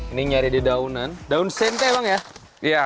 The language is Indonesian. ini nyari di daunan daun sentai emang ya